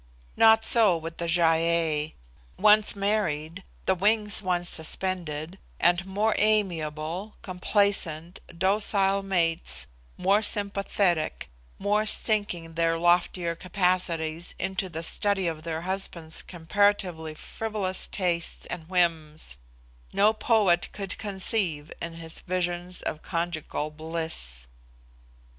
Not so with the Gy ei: once married, the wings once suspended, and more amiable, complacent, docile mates, more sympathetic, more sinking their loftier capacities into the study of their husbands' comparatively frivolous tastes and whims, no poet could conceive in his visions of conjugal bliss.